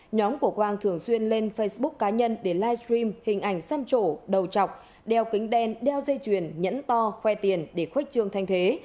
nhóm của quang thường xuyên lên facebook cá nhân để live stream hình ảnh xăm chỗ đầu chọc đeo kính đen đeo dây chuyền nhẫn to khoe tiền để khuếch trương thanh thế